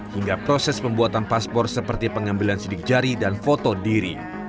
hingga proses pembuatan paspor seperti pengambilan sidik jari dan foto diri